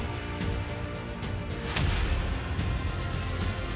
mengusung tema unggul sebagai strategi utama